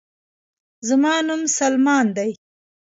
زما نوم سلمان دے